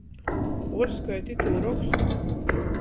Puorskaiti itū rokstu!